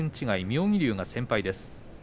妙義龍が先輩です。